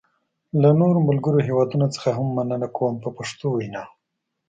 له نورو ملګرو هېوادونو څخه هم مننه کوم په پښتو وینا.